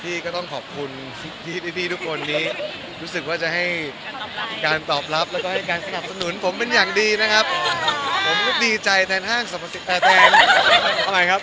ที่ต้องขอบคุณพี่ทุกคนนี้รู้สึกว่าจะให้การตอบลับและการสนับสนุนผมเป็นอย่างดีนะครับ